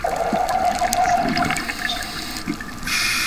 最近的为罗马和梵蒂冈。